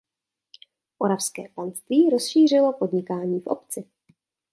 Oravské panství rozšířilo podnikání v obci.